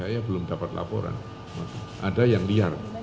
saya belum dapat laporan ada yang liar